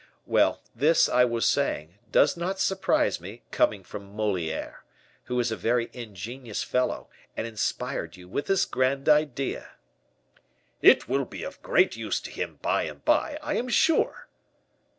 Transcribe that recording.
Well, this, I was saying, does not surprise me, coming from Moliere, who is a very ingenious fellow, and inspired you with this grand idea." "It will be of great use to him by and by, I am sure."